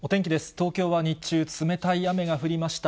東京は日中、冷たい雨が降りました。